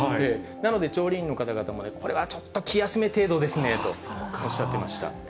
なので、調理員の方々もこれはちょっと気休め程度ですねとおっしゃってました。